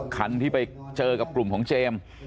คันที่ไปเจอกับกลุ่มของเจมส์